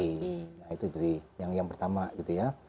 nah itu jadi yang pertama gitu ya